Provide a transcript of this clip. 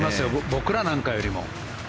僕らなんかよりも。